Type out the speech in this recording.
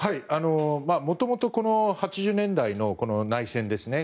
もともと８０年代のこの内戦ですね。